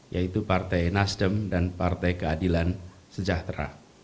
yaitu partai nasdem dan partai keadilan sejahtera